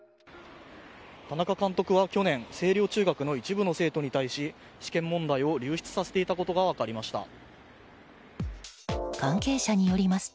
田中監督は去年星稜中学の一部の生徒に対し試験問題を流出させていたことが分かりました。